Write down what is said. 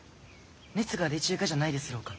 熱が出ちゅうがじゃないですろうか？